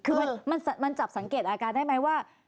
คือมันจับสังเกตอาการได้ไหมว่า